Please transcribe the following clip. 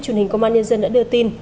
truyền hình công an nhân dân đã đưa tin